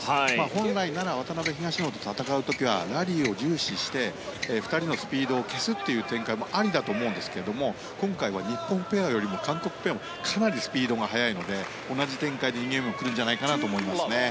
本来なら渡辺、東野と戦う時はラリーを重視して２人のスピードを足すという展開もありだと思うんですけれども今回は日本ペアよりも韓国ペアがかなりスピードが速いので同じ展開で第２ゲームも来るんじゃないかなと思いますね。